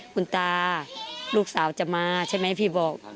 คุณตาลูกสาวจะมาใช่ไหมพี่บอก